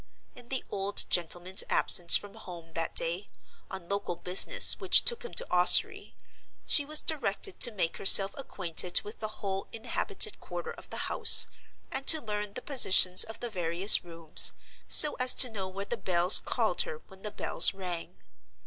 In the old gentleman's absence from home that day, on local business which took him to Ossory, she was directed to make herself acquainted with the whole inhabited quarter of the house, and to learn the positions of the various rooms, so as to know where the bells called her when the bells rang.